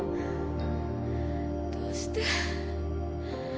どうして。